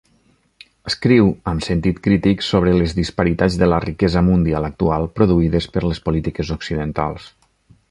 Escriu amb sentit crític sobre les disparitats de la riquesa mundial actual produïdes per les polítiques occidentals.